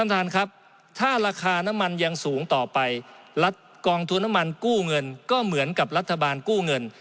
ท่านครับถ้าราคาน้ำมันยังสูงต่อไปรัฐกองทุนน้ำมันกู้เงินก็เหมือนกับรัฐบาลกู้เงิน